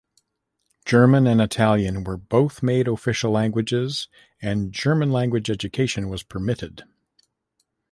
German and Italian were both made official languages, and German-language education was permitted.